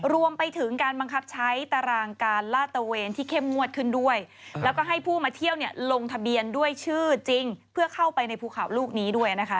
รวมไปถึงการบังคับใช้ตารางการลาดตะเวนที่เข้มงวดขึ้นด้วยแล้วก็ให้ผู้มาเที่ยวเนี่ยลงทะเบียนด้วยชื่อจริงเพื่อเข้าไปในภูเขาลูกนี้ด้วยนะคะ